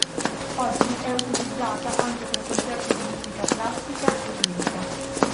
Oggi è utilizzata anche per concerti di musica classica e lirica.